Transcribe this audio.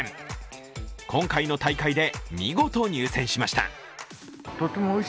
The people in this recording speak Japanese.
今回の大会で見事、入選しました。